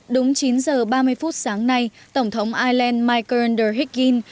đúng chín giờ ba mươi phút sáng nay tổng thống island mike kerrinder higgins